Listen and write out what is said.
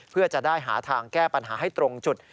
เพื่อจะได้หาทางแก้ปัญหาให้ตรงจุด